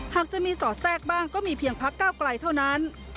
หากจะมีสอดแทรกบ้างก็มีเพียงพักก้าวไกลเท่านั้น